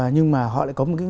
nhưng mà họ lại có một